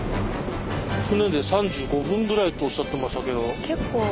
船で３５分ぐらいっておっしゃってましたけど。